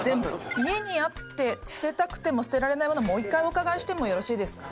家にあって捨てたくても捨てられない物もう１回お伺いしてもよろしいですか？